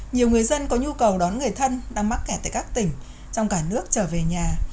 nhiều người dân có nhu cầu đón người thân đang mắc kẹt tại các tỉnh trong cả nước trở về nhà